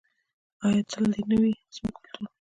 آیا تل دې نه وي زموږ کلتور؟